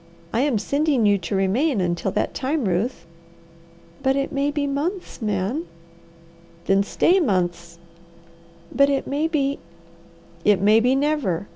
I am sending you to remain until that time, Ruth." "But it may be months, Man!" "Then stay months." "But it may be " "It may be never!